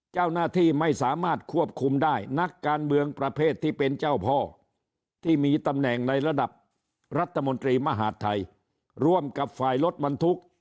เจ้าหน้าที่ไม่สามารถควบคุมได้นักการเมืองประเภทที่เป็นเจ้าพ่อที่มีตำแหน่งในระดับรัฐมนตรีมหาดไทยร่วมกับฝ่ายรถบรรทุก